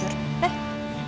sampai jumpa lagi